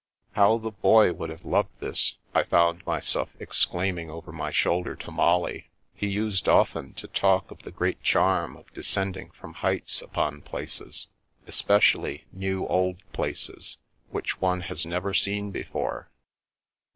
" How the Boy would have loved this !" I found myself exclaiming over my shoulder to Molly. " He used often to tall^ of the great charm of descending from, heights upon places, especially new old places, which one has never seen before."